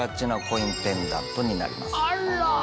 あら！